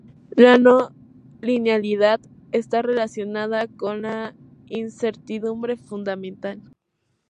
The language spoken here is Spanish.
La no linealidad está relacionada con la incertidumbre fundamental.